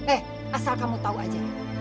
eh asal kamu tahu aja